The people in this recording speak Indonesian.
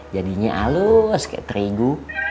jadinya halus kayak terigu